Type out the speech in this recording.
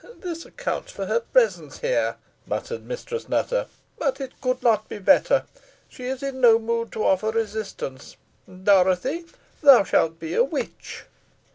"Ha! this accounts for her presence here," muttered Mistress Nutter. "But it could not be better. She is in no mood to offer resistance. Dorothy, thou shalt be a witch."